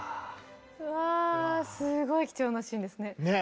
うわすごい貴重なシーンですね。ね？